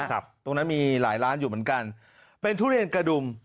ตรงนั้นมีหลายร้านอยู่เหมือนกันเป็นทุเรียนกระดุม